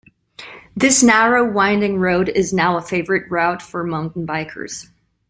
This narrow winding road is now a favourite route for mountain bikers.